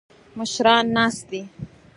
مشران ناست دي.